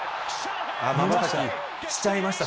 まばたきしちゃいました。